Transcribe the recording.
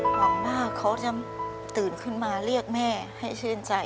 หวังว่าเขาจะตื่นขึ้นมาเรียกแม่ให้ชื่นใจ